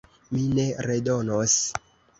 Mi ne redonos!